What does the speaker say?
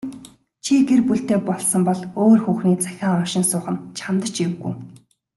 Чи гэр бүлтэй болсон бол өөр хүүхний захиа уншин суух нь чамд ч эвгүй.